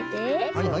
はいはい。